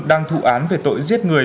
đang thụ án về tội giết người